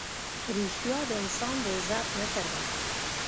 رښتیا د انسان د عزت نښه ده.